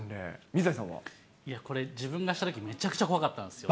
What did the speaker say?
これ、自分がしたとき、めちゃくちゃ怖かったんですよ。